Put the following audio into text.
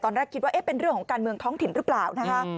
ตอนแรกคิดว่าเป็นเรื่องของการเมืองท้องถิ่นหรือเปล่านะคะ